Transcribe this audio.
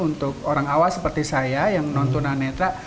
untuk orang awas seperti saya yang nontonan netra